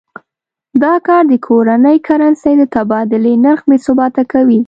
دا کار د کورنۍ کرنسۍ د تبادلې نرخ بې ثباته کوي.